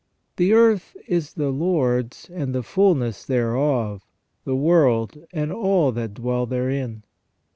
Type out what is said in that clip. " The earth is the Lord's, and the fulness thereof; the world and all that dwell therein."